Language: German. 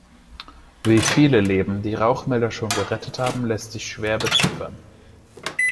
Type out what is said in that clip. Wie viele Leben die Rauchmelder schon gerettet haben, lässt sich schwer beziffern.